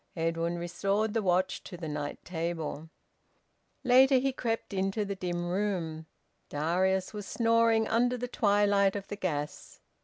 Edwin restored the watch to the night table. Later, he crept into the dim room. Darius was snoring under the twilight of the gas.